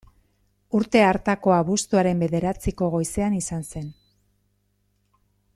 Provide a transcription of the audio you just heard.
Urte hartako abuztuaren bederatziko goizean izan zen.